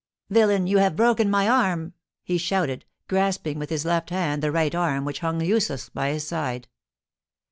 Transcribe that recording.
"Villain, you have broken my arm!" he shouted, grasping with his left hand the right arm, which hung useless by his side.